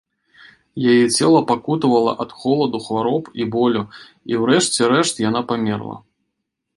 Яе цела пакутавала ад холаду, хвароб і болю, і ўрэшце рэшт яна памерла.